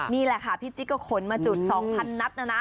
นี่แหละค่ะพี่จิ๊กก็ขนมาจุด๒๐๐นัดนะนะ